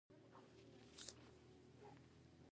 په افغانستان کې د بامیان منابع شته.